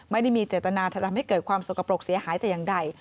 ไม่ได้มีเจตนาจะทำให้เกิดความสกปรกเสียหายแต่อย่างใด